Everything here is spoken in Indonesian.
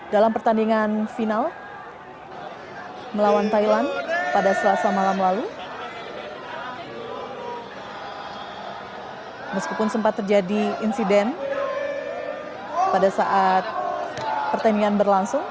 dalam pertandingan final melawan thailand pada selasa malam lalu meskipun sempat terjadi insiden pada saat pertandingan berlangsung